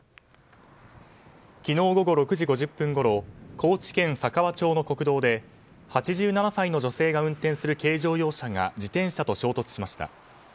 昨日午後６時５０分ごろ高知県佐川町の国道で８７歳の女性が運転する軽乗用車が自転車と衝突しました。